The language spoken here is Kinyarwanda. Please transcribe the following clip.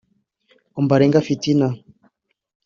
Ombalenga Fitina